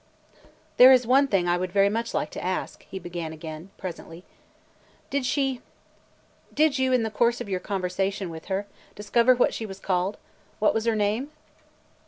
"There is one thing I would very much like to ask," he began again, presently. "Did she – did you, in the course of your conversation with her, discover what she was called, – what was her name?"